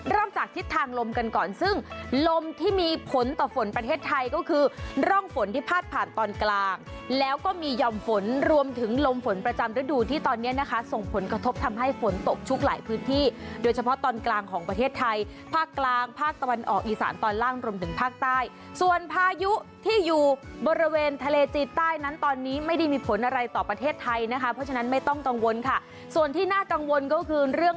เริ่มจากทิศทางลมกันก่อนซึ่งลมที่มีผลต่อฝนประเทศไทยก็คือร่องฝนที่พลาดผ่านตอนกลางแล้วก็มีหย่อมฝนรวมถึงลมฝนประจำฤดูที่ตอนนี้นะคะส่งผลกระทบทำให้ฝนตกชุกหลายพื้นที่โดยเฉพาะตอนกลางของประเทศไทยภาคกลางภาคตะวันออกอีสานตอนล่างรวมถึงภาคใต้ส่วนพายุที่อยู่บริเว